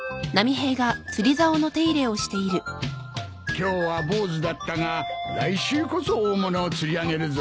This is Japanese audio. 今日はボウズだったが来週こそ大物を釣り上げるぞ。